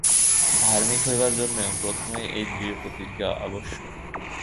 ধার্মিক হইবার জন্যও প্রথমেই এই দৃঢ় প্রতিজ্ঞা আবশ্যক।